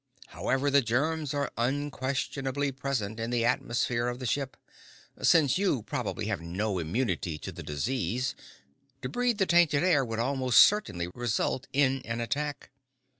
However, the germs are unquestionably present in the atmosphere of the ship. Since you probably have no immunity to the disease, to breathe the tainted air would almost certainly result in an attack.